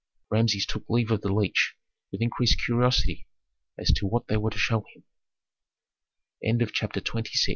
Rameses took leave of the leech with increased curiosity as to what they were to show him. CHAPTER X